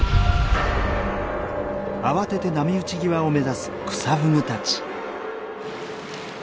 慌てて波打ち際を目指すクサフグたち。